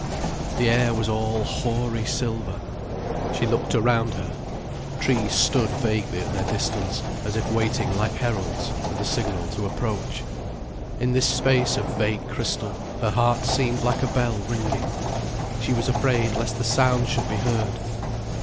The air was all hoary silver. She looked around her. Trees stood vaguely at their distance, as if waiting like heralds, for the signal to approach. In this space of vague crystal her heart seemed like a bell ringing. She was afraid lest the sound should be heard.